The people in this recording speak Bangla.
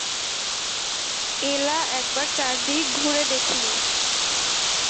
এলা একবার চারিদিক ঘুরে দেখলে।